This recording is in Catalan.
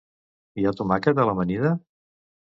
Hi ha tomàquet a l'amanida?